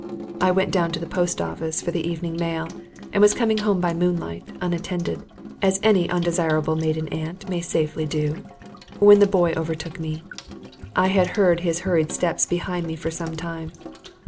I went down to the post office for the evening mail, and was coming home by moonlight, unattended, as any undesirable maiden aunt may safely do, when the boy overtook me. I had heard his hurried steps behind me for some time.